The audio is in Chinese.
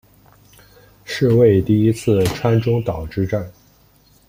是为第一次川中岛之战。